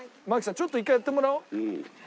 ちょっと１回やってもらおう。